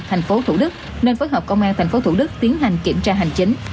tp thủ đức nên phối hợp công an tp thủ đức tiến hành kiểm tra hành chính